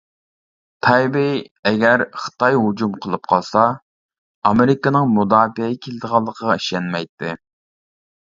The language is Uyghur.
تەيبېي ئەگەر خىتاي ھۇجۇم قىلىپ قالسا ئامېرىكىنىڭ مۇداپىئەگە كېلىدىغانلىقىغا ئىشەنمەيتتى.